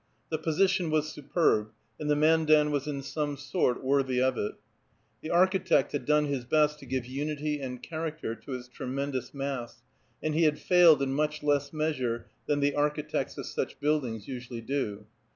The position was superb, and the Mandan was in some sort worthy of it. The architect had done his best to give unity and character to its tremendous mass, and he had failed in much less measure than the architects of such buildings usually do.